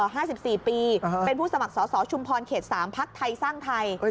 ห้าสิบสี่ปีเป็นผู้สมัครสอสอชุมพรเขตสามพักไทยสร้างไทย